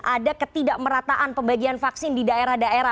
ada ketidakmerataan pembagian vaksin di daerah daerah